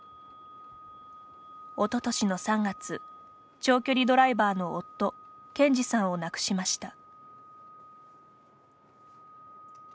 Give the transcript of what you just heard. おととしの３月長距離ドライバーの夫健司さんを亡くしました。